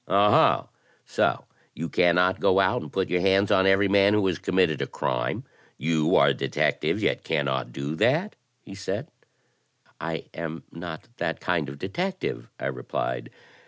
Oh, ho! So you cannot go out and put your hands on every man who has committed a crime? You are a detective, yet cannot do that? ' he said. " *I am not that kind of detective,' I replied.